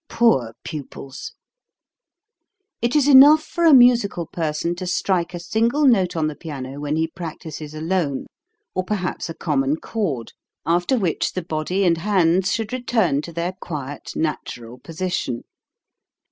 Poor pupils ! 266 HOW TO SING It is enough for a musical person to strike a single note on the piano when he practises alone, or perhaps a common chord, after which the body and hands should return to their quiet, natural position.